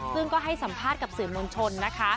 ซึ่งก็ให้สัมภาษณ์กับสื่อมวลชนนะคะ